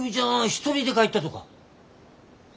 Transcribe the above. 一人で帰ったとか？